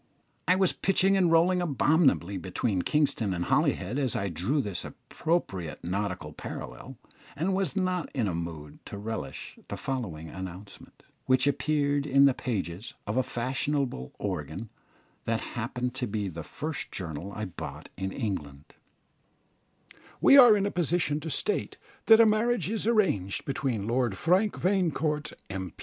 I was pitching and rolling abominably between Kingston and Holyhead as I drew this appropriate nautical parallel, and was not in a mood to relish the following announcement, which appeared in the pages of a fashionable organ, that happened to be the first journal I bought in England: "We are in a position to state that a marriage is arranged between Lord Frank Vanecourt, M.